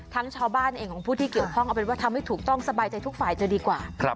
ชาวบ้านเองของผู้ที่เกี่ยวข้องเอาเป็นว่าทำให้ถูกต้องสบายใจทุกฝ่ายจะดีกว่า